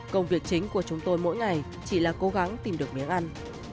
công việc chính của chúng tôi mỗi ngày chỉ là cố gắng tìm được miếng ăn